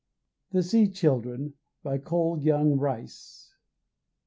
THE SEA CHILDREN. COLE YOUNG RICE.